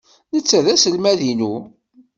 Netta d aselmad-inu.